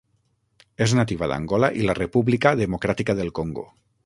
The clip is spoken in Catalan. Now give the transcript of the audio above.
És nativa d'Angola i la República democràtica del Congo.